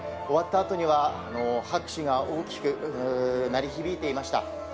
終わった後には拍手が大きく鳴り響いていました。